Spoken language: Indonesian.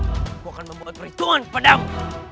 aku akan membuat perhitungan padamu